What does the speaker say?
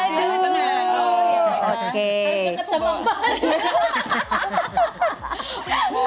harus deket sama emak